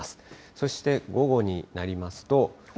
そして午後になりますと。